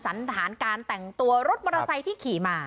สันฐานการแต่งตัวรถมอเตอร์ไซค์ที่ขี่มา